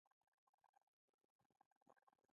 خلک په ورځني ژوند کې تومان کاروي.